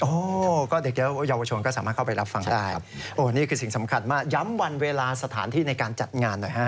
โอ้ก็เด็กเยอะเยาวชนก็สามารถเข้าไปรับฟังได้โอ้นี่คือสิ่งสำคัญมากย้ำวันเวลาสถานที่ในการจัดงานหน่อยฮะ